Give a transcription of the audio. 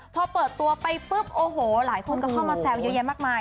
พอเปิดตัวไปปุ๊บโอ้โหหลายคนก็เข้ามาแซวเยอะแยะมากมาย